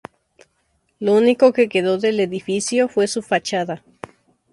Lo único que quedó del edificio fue su fachada.